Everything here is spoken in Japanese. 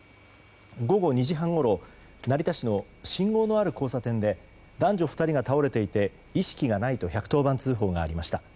午後２時半ごろ成田市の信号のある交差点で男女２人が倒れていて意識がないと１１０番通報がありました。